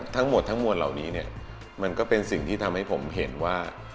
ทั้งหมดทั้งมวลเหล่านี้เนี่ยมันก็เป็นสิ่งที่ทำให้ผมเห็นว่า